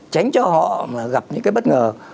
tránh cho họ gặp những cái bất ngờ